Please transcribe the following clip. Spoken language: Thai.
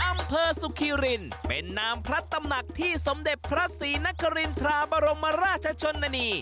อำเภอสุขิรินเป็นนามพระตำหนักที่สมเด็จพระศรีนครินทราบรมราชชนนานี